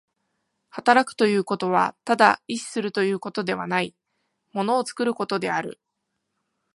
働くということはただ意志するということではない、物を作ることである。